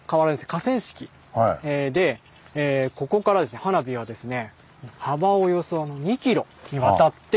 河川敷でここからですね並んでるんですよね。